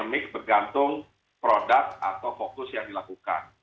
jadi kita harus menghitung produk atau fokus yang dilakukan